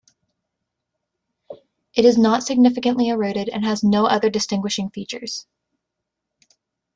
It is not significantly eroded and has no other distinguishing features.